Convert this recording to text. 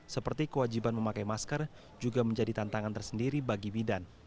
seperti kewajiban memakai masker juga menjadi tantangan tersendiri bagi bidan